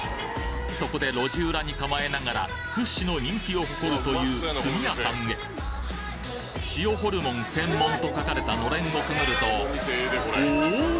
そこで路地裏に構えながら屈指の人気を誇るという炭やさんへ「塩ホルモン専門」と書かれた暖簾をくぐるとおお！